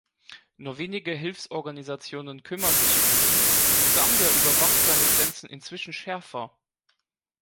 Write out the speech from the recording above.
Nur wenige Hilfsorganisationen kümmern sich um sie und Sambia überwacht seine Grenzen inzwischen schärfer.